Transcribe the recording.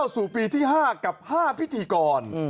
สู่ปีที่๕กับ๕พิธีกร